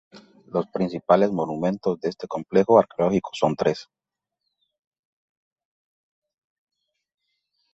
Los principales monumentos de este complejo arqueológicos son tres.